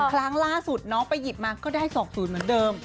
ครั้งล่าสุดน้องไปหยิบมาก็ได้๒๐เหมือนเดิม